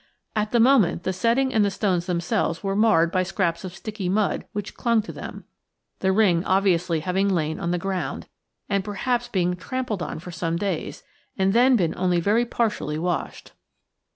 At the moment the setting and the stones themselves were marred by scraps of sticky mud which clung to them; the ring obviously having lain on the ground, and perhaps been trampled on for some days, and then been only very partially washed.